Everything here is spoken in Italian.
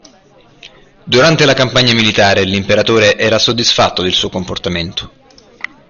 Durante la campagna militare l'imperatore era soddisfatto del suo comportamento.